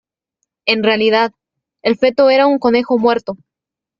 En realidad, el feto era un conejo muerto.